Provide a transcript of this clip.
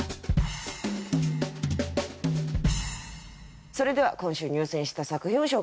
それでは今週入選した作品を紹介していきます。